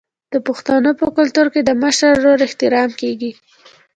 د پښتنو په کلتور کې د مشر ورور احترام کیږي.